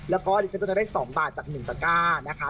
แล้วก็ดิฉันก็จะได้๒บาทจาก๑ตะก้านะคะ